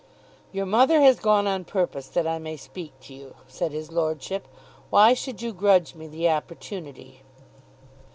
"Your mother has gone on purpose that I may speak to you," said his lordship. "Why should you grudge me the opportunity?"